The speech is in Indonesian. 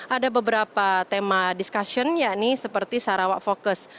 ada beberapa tema discussion yakni seperti sarawak focus